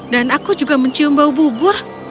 dan aku juga mencium bau bubur